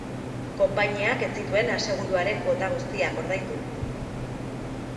Konpainiak ez zituen aseguruaren kuota guztiak ordaindu.